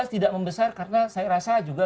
tidak membesar karena saya rasa juga